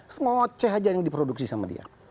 smoceh aja yang diproduksi sama dia